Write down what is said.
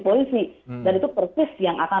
polisi dan itu persis yang akan